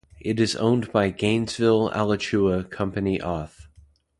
It is owned by Gainesville-Alachua Company Auth.